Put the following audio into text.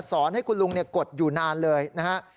สอนให้คุณลุงกดอยู่นานเลยนะฮะ